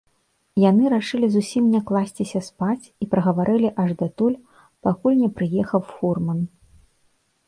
Яны рашылі зусім не класціся спаць і прагаварылі аж датуль, пакуль не прыехаў фурман.